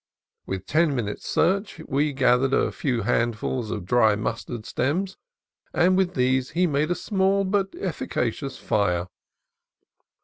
With ten minutes' search we gathered a few handfuls of dry mustard stems, and with these he made a small but efficacious fire.